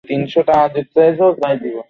তারা তদন্তের নেতৃত্ব দিচ্ছেন।